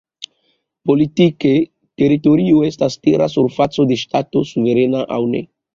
Politike, teritorio estas tera surfaco de Ŝtato, suverena aŭ ne.